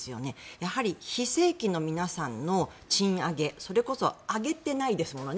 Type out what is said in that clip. やはり非正規の皆さんの賃上げそれこそ上げてないですよね。